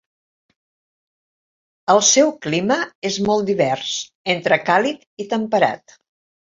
El seu clima és molt divers entre càlid i temperat.